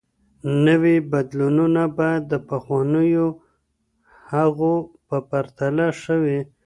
نوي بدلونونه بايد د پخوانيو هغو په پرتله ښه وي.